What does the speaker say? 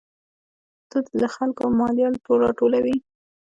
دوی له خلکو مالیه راټولوي.